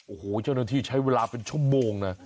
โอ้โหเจ้าหน้าที่ใช้เวลาเป็นชั่วโมงนะ